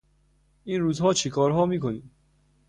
این روزها چیکارها میکنی؟